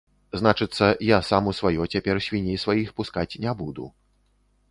Значыцца, я сам у сваё цяпер свіней сваіх пускаць не буду.